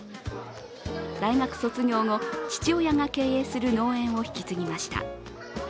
大学卒業後、父親が経営する農園を引き継ぎました。